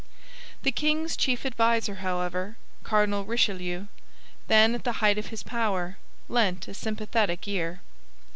The king's chief adviser, however, Cardinal Richelieu, then at the height of his power, lent a sympathetic ear.